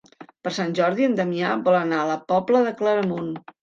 Per Sant Jordi en Damià vol anar a la Pobla de Claramunt.